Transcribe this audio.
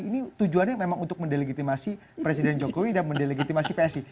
ini tujuannya memang untuk mendelegitimasi presiden jokowi dan mendelegitimasi psi